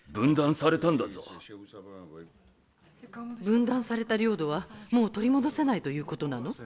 分断された領土はもう取り戻せないということなの？